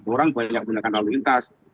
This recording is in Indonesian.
orang banyak menggunakan lalu lintas